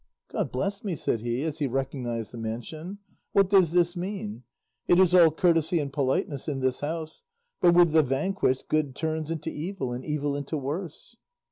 "God bless me!" said he, as he recognised the mansion, "what does this mean? It is all courtesy and politeness in this house; but with the vanquished good turns into evil, and evil into worse."